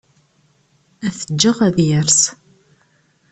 Ad t-ǧǧeɣ ad yers.